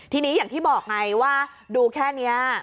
ทีนี้อย่างที่บอกไงว่าดูแค่นี้